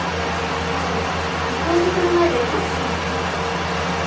あとロウソクの前でボクシングする人！